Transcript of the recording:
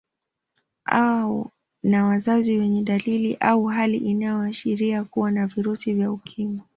Au na wazazi wenye dalili au hali inayoashiria kuwa na virusi vya Ukimwi